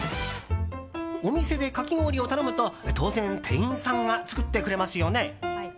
お店で、かき氷を頼むと当然、店員さんが作ってくれますよね。